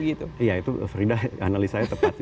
iya itu frida analisanya tepat ya